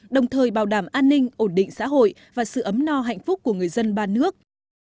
đồng thời bảo đảm an ninh ổn định xã hội và sự ấm no hạnh phúc của người dân ba nước